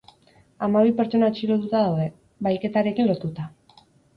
Hamabi pertsona atxilotuta daude, bahiketarekin lotuta.